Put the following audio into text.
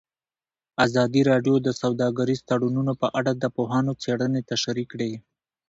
ازادي راډیو د سوداګریز تړونونه په اړه د پوهانو څېړنې تشریح کړې.